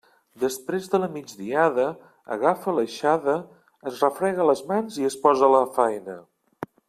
Després de la migdiada, agafa l'aixada, es refrega les mans i es posa a la faena.